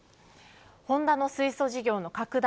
ホンダの水素事業の拡大